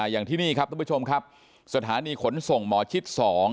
อย่างที่นี่ครับทุกผู้ชมครับสถานีขนส่งหมอชิด๒